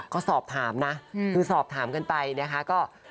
ก็สอบถามนะคือสอบถามกันไปนะคะ